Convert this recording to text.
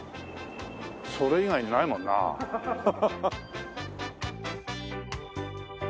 それ以外にないもんなあ。